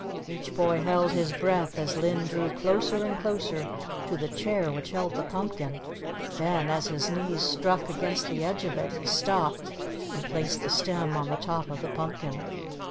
Each boy held his breath as Linn drew closer and closer to the chair which held the pumpkin. Then as his knees struck against the edge of it he stopped and placed the stem on the top of the pumpkin.